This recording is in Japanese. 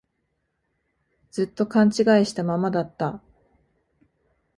ずっと勘違いしたままだった